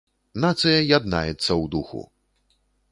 Нацыя яднаецца ў духу!